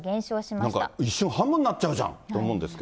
なんか一瞬、半分になっちゃうじゃんって思うんですけど。